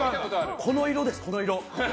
この色です、この色。